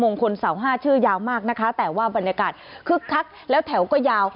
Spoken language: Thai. คนเสาห้าชื่อยาวมากนะคะแต่ว่าบรรยากาศคึกคักแล้วแถวก็ยาว